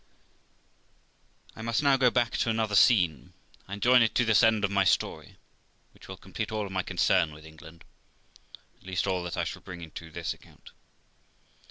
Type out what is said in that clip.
I must now go back to another scene, and join it to this end of my story, which will complete all my concern with England, at least all that I shall bring into this account.